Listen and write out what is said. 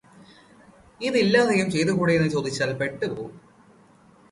ഇതില്ലാതെയും ചെയ്തുകൂടേ എന്ന് ചോദിച്ചാൽ പെട്ടുപോകും.